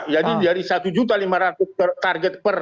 jadi dari satu juta lima ratus target